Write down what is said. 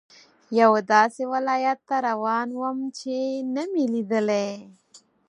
یوه داسې ولایت ته روان وم چې نه مې لیدلی.